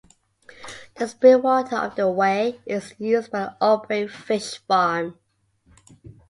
The spring water of the Wey is used by the Upwey fish farm.